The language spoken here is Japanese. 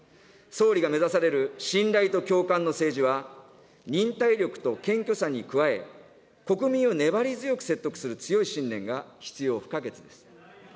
総理が目指される信頼と共感の政治は、忍耐力と謙虚さに加え、国民を粘り強く説得する強い信念が必要不可欠です。